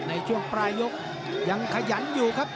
ในช่วงปลายยกยังขยันอยู่ครับ